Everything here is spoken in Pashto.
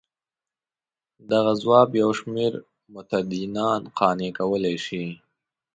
دغه ځواب یو شمېر متدینان قانع کولای شي.